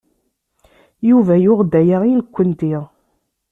Yuba yuɣ-d aya i nekkenti.